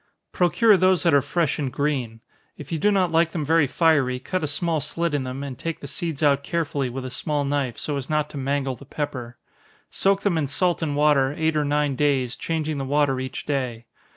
_ Procure those that are fresh and green. If you do not like them very fiery, cut a small slit in them, and take the seeds out carefully with a small knife, so as not to mangle the pepper. Soak them in salt and water, eight or nine days, changing the water each day.